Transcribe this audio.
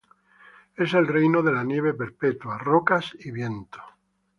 Es el reino de la nieve perpetua, rocas y viento.